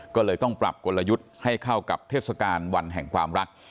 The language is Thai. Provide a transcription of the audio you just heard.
ก็เลยต้องปรับกลยุทธ์ให้เข้ากับเทศกาลวันแห่งความรัก